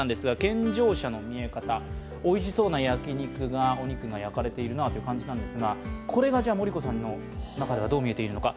健常者の見え方、おいしそうなお肉が焼かれているなという感じですがこれがＭＯＲＩＫＯさんの中ではどう見えているのか。